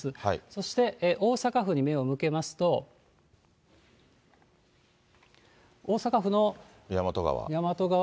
そして大阪府に目を向けますと、大和川。